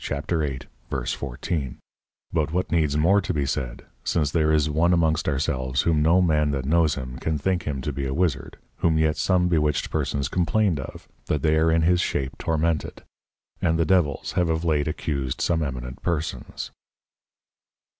8.14._ But what needs more to be said, since there is one amongst our selves whom no Man that knows him, can think him to be a Wizzard, whom yet some bewitched Persons complained of, that they are in his Shape tormented: And the Devils have of late accused some eminent Persons.